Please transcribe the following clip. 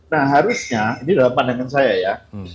nah harusnya ini dalam pandangan saya ya